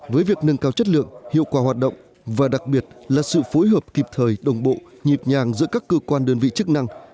với việc nâng cao chất lượng hiệu quả hoạt động và đặc biệt là sự phối hợp kịp thời đồng bộ nhịp nhàng giữa các cơ quan đơn vị chức năng